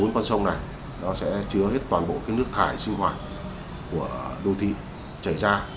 bốn con sông này nó sẽ chứa hết toàn bộ cái nước thải sinh hoạt của đô thị chảy ra